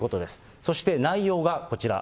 そして内容がこちら。